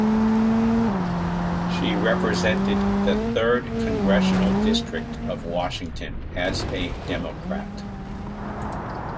She represented the Third congressional district of Washington as a Democrat.